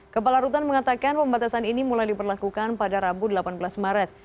kepala rutan mengatakan pembatasan ini mulai diperlakukan pada rabu delapan belas maret